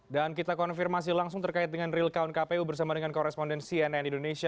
dan kita konfirmasi langsung terkait dengan real count kpu bersama dengan koresponden cnn indonesia